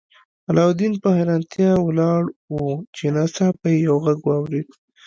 علاوالدین په حیرانتیا ولاړ و چې ناڅاپه یې یو غږ واورید.